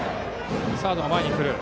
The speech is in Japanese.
サードが前に来る。